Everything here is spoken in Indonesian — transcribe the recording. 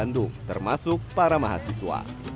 di bandung termasuk para mahasiswa